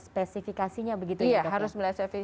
spesifikasinya begitu ya dok iya harus melihat